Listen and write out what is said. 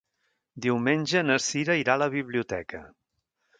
Diumenge na Cira irà a la biblioteca.